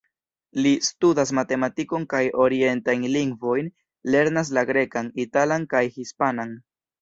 Li studas matematikon kaj orientajn lingvojn, lernas la grekan, italan kaj hispanan.